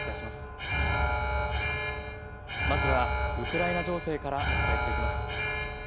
まずはウクライナ情勢からお伝えしていきます。